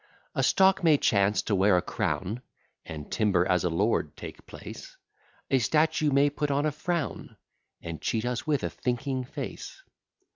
A stock may chance to wear a crown, And timber as a lord take place; A statue may put on a frown, And cheat us with a thinking face.